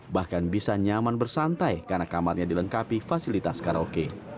bahkan bisa nyaman bersantai karena kamarnya dilengkapi fasilitas karaoke